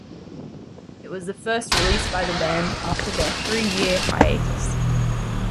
It was the first release by the band after their three-year hiatus.